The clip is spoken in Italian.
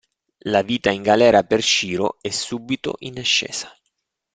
La vita in galera per Shiro è subito in ascesa.